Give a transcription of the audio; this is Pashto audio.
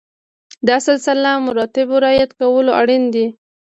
د سلسله مراتبو رعایت کول اړین دي.